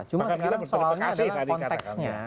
cuma sekarang soalnya adalah konteksnya